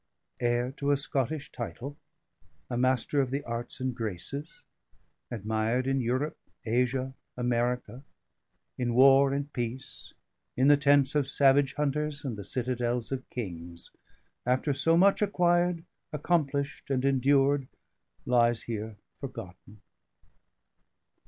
HEIR TO A SCOTTISH TITLE, A MASTER OF THE ARTS AND GRACES, ADMIRED IN EUROPE, ASIA, AMERICA, IN WAR AND PEACE, IN THE TENTS OF SAVAGE HUNTERS AND THE CITADELS OF KINGS, AFTER SO MUCH ACQUIRED, ACCOMPLISHED, AND ENDURED, LIES HERE FORGOTTEN.